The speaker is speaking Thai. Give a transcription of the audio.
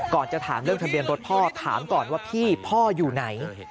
จะถามเรื่องทะเบียนรถพ่อถามก่อนว่าพี่พ่ออยู่ไหน